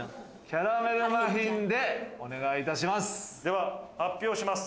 キャラメルマフィンでお願いいたでは発表します。